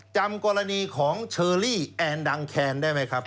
จำกรณีของเชอรี่แอนดังแคนได้ไหมครับ